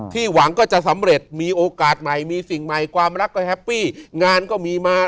หวังก็จะสำเร็จมีโอกาสใหม่มีสิ่งใหม่ความรักก็แฮปปี้งานก็มีมา